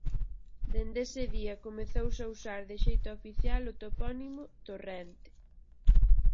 Dende ese día comezouse a usar de xeito oficial o topónimo ""Torrente"".